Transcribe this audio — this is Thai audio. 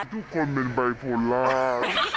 ทุกคนเป็นไบโพล่า